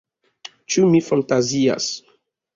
Ĉu mi fantazias?